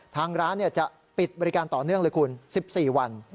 ทางร้านจะปิดบริการต่อเนื่องเลยคุณ๑๔วัน